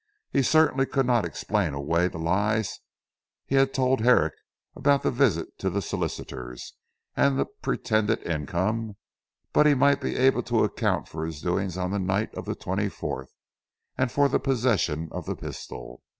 He certainly could not explain away the lies he had told Herrick about the visit to the solicitors, and the pretended income, but he might be able to account for his doings on the night of the twenty fourth, and for the possession of the pistol.